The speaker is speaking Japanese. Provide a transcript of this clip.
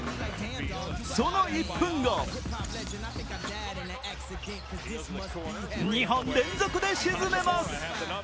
その１分後２本連続で沈めます。